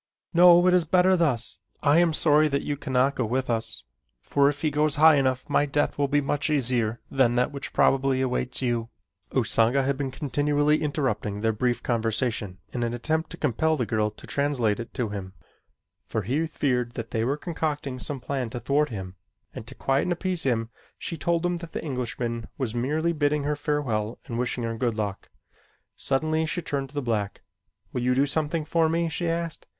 No, it is better thus. I am sorry that you cannot go with us, for if he goes high enough my death will be much easier than that which probably awaits you." Usanga had been continually interrupting their brief conversation in an attempt to compel the girl to translate it to him, for he feared that they were concocting some plan to thwart him, and to quiet and appease him, she told him that the Englishman was merely bidding her farewell and wishing her good luck. Suddenly she turned to the black. "Will you do something for me?" she asked.